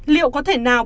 liệu có thể nào